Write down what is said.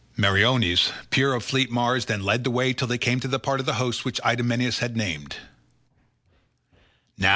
Meriones, peer of fleet Mars, then led the way till they came to the part of the host which Idomeneus had named.